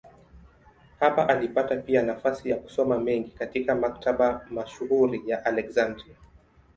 Hapa alipata pia nafasi ya kusoma mengi katika maktaba mashuhuri ya Aleksandria.